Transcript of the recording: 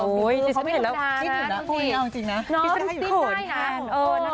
โอ้ยพี่สายไม่รู้จักนะพี่สายไม่รู้จักนะพี่สายขนแทน